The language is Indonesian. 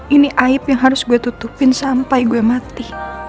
ini aib yang harus gue tutupin sampai gue mati